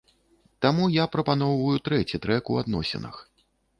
Таму я і прапаноўваю трэці трэк у адносінах.